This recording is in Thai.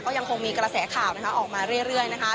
ก็ยังคงมีกระแสข่าวนะคะออกมาเรื่อยนะคะ